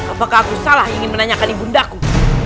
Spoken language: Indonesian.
apakah aku salah ingin menanyakan ibundaku